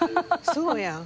そうやん。